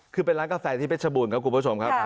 คือเป็นร้านกาแฟที่เพชรบูรณ์ครับคุณผู้ชมครับ